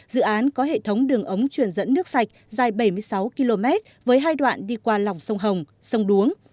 dự án có hệ thống đường ống truyền dẫn nước sạch dài bảy mươi sáu km với hai đoạn đi qua lòng sông hồng sông đuống